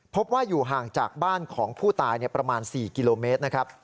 พบว่าอยู่ห่างจากบ้านของผู้ตายประมาณ๔กิโลเมตรนะครับ